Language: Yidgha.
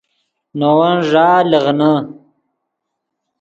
نے ون ݱا لیغنے